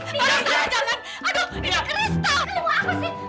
kamu maling jangan dibawa